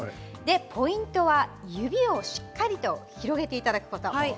ポイントは指をしっかりと広げていただくこと。